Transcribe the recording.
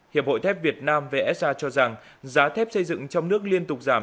hiệp hội thép việt nam vsa cho rằng giá thép xây dựng trong nước liên tục giảm